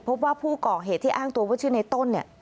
พบว่าผู้ก่อเหตุที่อ้างตัวว่าชื่อในต้นเนี่ย